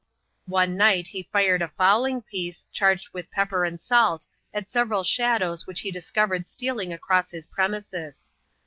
One night he fired a fowling piece, charged with pepper and salt, at several shadows which he discovered steal ing across his premises.